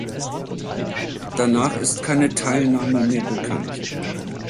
Danach ist keine Teilnahme mehr bekannt.